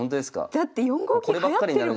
だって４五銀はやってるもん。